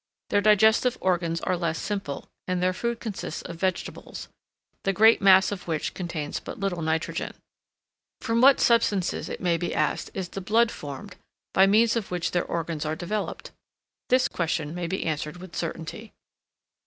Their digestive organs are less simple, and their food consists of vegetables, the great mass of which contains but little nitrogen. From what substances, it may be asked, is the blood formed, by means of which of their organs are developed? This question may be answered with certainty.